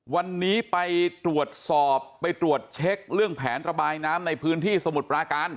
วันนี้ไปตรวจสอบไปตรวจเช็คเรื่องแผนระบายน้ำในพื้นที่สมุทรปราการ